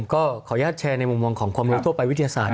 ก็ขออนุญาตแชร์ในมุมมองของความรู้ทั่วไปวิทยาศาสต